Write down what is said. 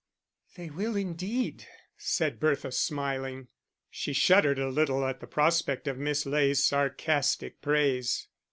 "They will indeed," said Bertha, smiling. She shuddered a little at the prospect of Miss Ley's sarcastic praise.